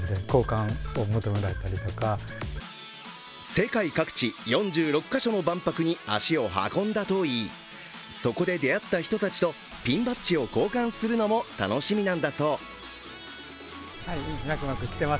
世界各地４６か所の万博に足を運んだといい、そこで出会った人たちとピンバッジを交換するのも楽しみなんだそう。